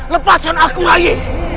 lepaskan aku rai